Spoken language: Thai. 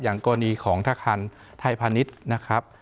อย่างกรณีของทหารไทยพนิษฐ์นะครับ